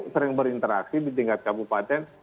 sering berinteraksi di tingkat kabupaten